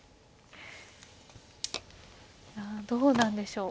いやどうなんでしょう。